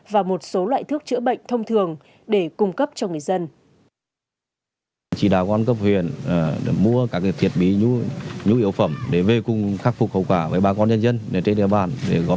và một số loại thuốc chữa bệnh thông thường để cung cấp cho người dân